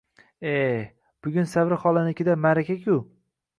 «E, bugun Savri xolanikida maʼraka-ku!